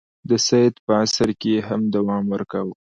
د سید په عصر کې یې هم دوام ورکاوه.